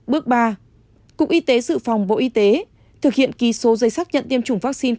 bước ba cục y tế sự phòng bộ y tế thực hiện kỳ số dây sắc nhận tiêm chủng vaccine